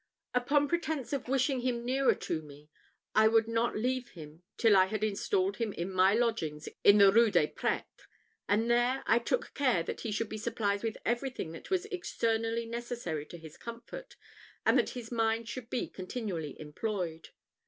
Upon pretence of wishing him nearer to me, I would not leave him till I had installed him in my lodgings in the Rue des Prêtres; and there, I took care that he should be supplied with everything that was externally necessary to his comfort, and that his mind should be continually employed.